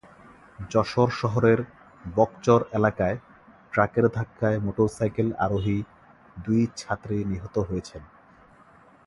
যশোর শহরের বকচর এলাকায় ট্রাকের ধাক্কায় মোটরসাইকেল আরোহী দুই ছাত্রী নিহত হয়েছেন।